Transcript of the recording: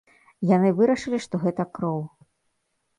Яны вырашылі, што гэта кроў.